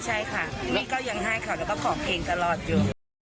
ใช่ค่ะนี่ก็ยังให้เขาแล้วก็ของเพลงตลอดอยู่